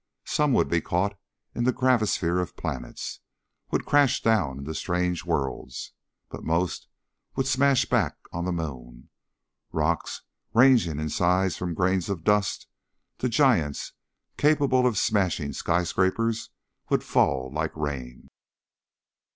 Some would be caught in the gravisphere of planets, would crash down into strange worlds. But most would smash back on the moon. Rocks ranging in size from grains of dust to giants capable of smashing skyscrapers would fall like rain.